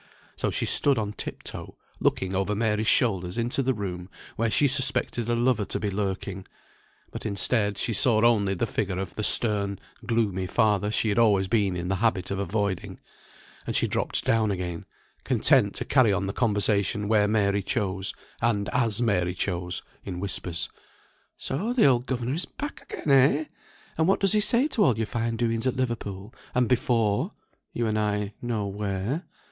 So she stood on tip toe, looking over Mary's shoulders into the room where she suspected a lover to be lurking; but instead, she saw only the figure of the stern, gloomy father she had always been in the habit of avoiding; and she dropped down again, content to carry on the conversation where Mary chose, and as Mary chose, in whispers. "So the old governor is back again, eh? And what does he say to all your fine doings at Liverpool, and before? you and I know where.